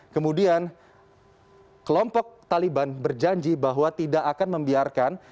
kemudian kelompok taliban berjanji bahwa tidak akan membiarkan